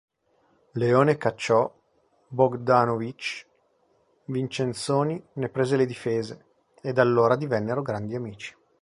Leone cacciò Bogdanovich, Vincenzoni ne prese le difese, e da allora divennero grandi amici.